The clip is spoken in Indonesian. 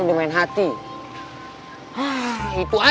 gue gak mau percaya sama orang